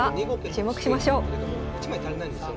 注目しましょう。